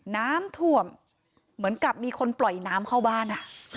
น้ำท่วมเหมือนกับมีคนปล่อยน้ำเข้าบ้าน